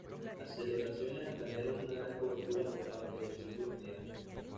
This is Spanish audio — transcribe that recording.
Las celebraciones atrajeron una gran cobertura por parte de los círculos mediáticos.